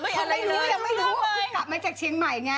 ยังไม่รู้ยังไม่รู้ก็กลับมาจากเชียงใหม่อย่างเงี้ย